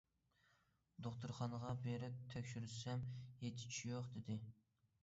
دوختۇرخانىغا بېرىپ تەكشۈرتسەم ھېچ ئىش يوق دېدى.